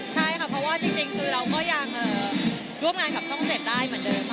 ใช่ค่ะเพราะว่าจริงคือเราก็ยังร่วมงานกับช่อง๗ได้เหมือนเดิม